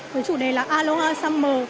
với chủ đề là aloha summer